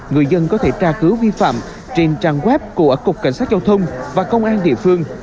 người dân có thể tra cứu vi phạm trên trang web của cục cảnh sát giao thông và công an địa phương